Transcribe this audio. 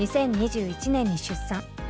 ２０２１年に出産。